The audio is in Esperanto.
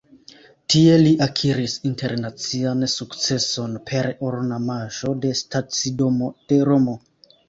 Tie li akiris internacian sukceson per ornamaĵo de stacidomo de Romo.